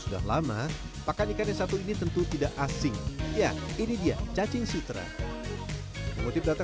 sudah lama pakan ikan yang satu ini tentu tidak asing ya ini dia cacing sutra mengutip data